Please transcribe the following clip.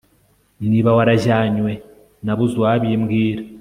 niba warajyanywe nabuze uwabimbwira